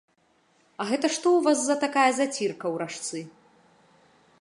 А гэта што ў вас за такая зацірка ў ражцы?